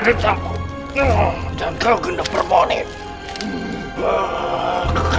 desa horengin vitu pak